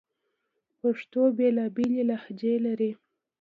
پښتو بیلابیلي لهجې لري